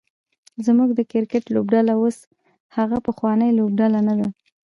زمونږ د کرکټ لوبډله اوس هغه پخوانۍ لوبډله نده